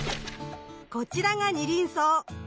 こちらがニリンソウ。